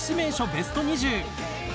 ベスト２０。